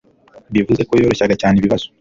bivuze ko yoroshyaga cyane ikibazo